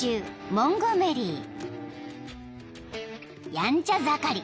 ［やんちゃ盛り。